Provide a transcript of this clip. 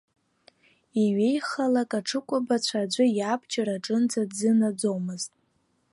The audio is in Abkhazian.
Иҩеихалак аҽыкәабацәа аӡәы иабџьар аҿынӡа дзынаӡомазт.